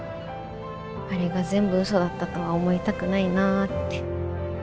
あれが全部嘘だったとは思いたくないなぁって。